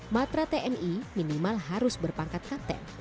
matra tni minimal harus berpangkat kapten